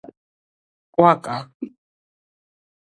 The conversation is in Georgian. კვაკა